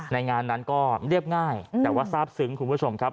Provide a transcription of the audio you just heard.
ในงานนั้นก็เรียบง่ายแต่ว่าทราบซึ้งคุณผู้ชมครับ